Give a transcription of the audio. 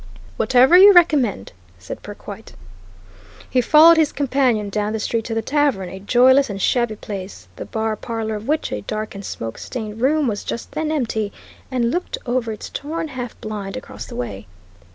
"Whatever you recommend," said Perkwite. He followed his companion down the street to the tavern, a joyless and shabby place, the bar parlour of which, a dark and smoke stained room was just then empty, and looked over its torn half blind across the way.